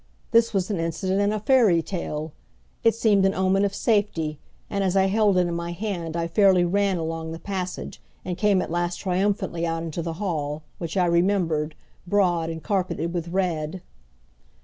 This was an incident in a fairy tale! It seemed an omen of safety, and as I held it in my hand I fairly ran along the passage and came at last triumphantly out into the hall, which I remembered, broad and carpeted with red.